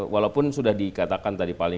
walaupun sudah dikatakan tadi paling